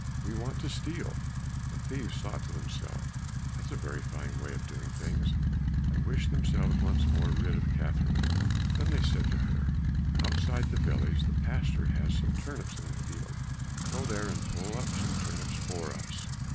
We want to steal." The thieves thought to themselves, "That's a fine way of doing things," and wished themselves once more rid of Catherine. Then they said to her, "Outside the village the pastor has some turnips in the field. Go there and pull up some turnips for us."